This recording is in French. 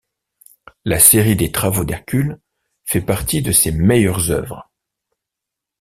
La série des Travaux d'hercule fait partie de ses meilleures œuvres.